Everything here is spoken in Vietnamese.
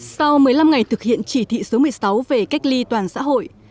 sau một mươi năm ngày thực hiện chỉ thị số một mươi sáu về cách ly toàn xã hội